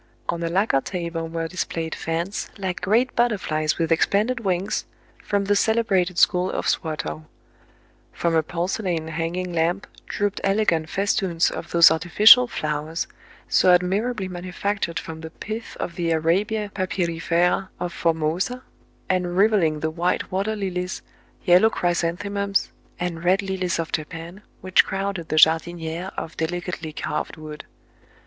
On a lacquer table were displayed fans, like great butterflies with expanded wings, from the celebrated school of Swatow. From a porcelain hanging lamp drooped elegant festoons of those artificial flow ers, so admirably manufactured from the pith of the Arabia papyrifera of Formosa, and rivalling the white water lilies, yellow chrysanthemums, and red lilies of Japan, which crowded the jardinières of delicately carved wood.